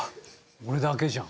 俺だけじゃん。